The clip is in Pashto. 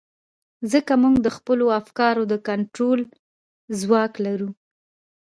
ځکه موږ د خپلو افکارو د کنټرول ځواک لرو.